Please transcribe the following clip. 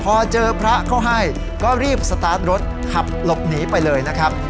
พอเจอพระเขาให้ก็รีบสตาร์ทรถขับหลบหนีไปเลยนะครับ